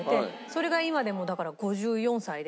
それが今でもだから５４歳で。